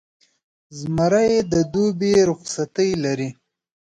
زمری د دوبي رخصتۍ لري.